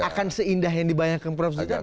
akan seindah yang dibayangkan prof zidan gak